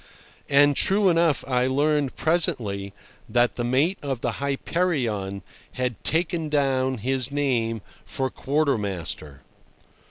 And, true enough, I learned presently that the mate of the Hyperion had "taken down" his name for quarter master.